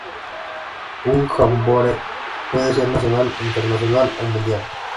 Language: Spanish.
Un "jamboree" puede ser nacional, internacional o mundial.